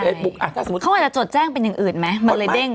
เขาเวลาจดแจ้งเป็นอย่างอื่นไหมมันเลยเด้ง